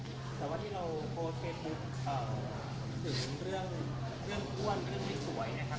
ถึงเรื่องอ้วนก็บีต่อยนะครับ